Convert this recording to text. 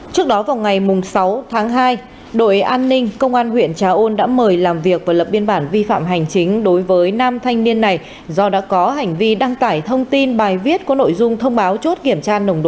trước đó vào ngày sáu tháng hai đội an ninh công an huyện trà ôn đã mời làm việc và lập biên bản vi phạm hành chính đối với nam thanh niên này do đã có hành vi đăng tải thông tin bài viết có nội dung thông báo chốt kiểm tra